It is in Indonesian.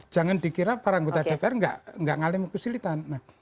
jangan dikira para anggota dpr nggak ngalimi kesulitan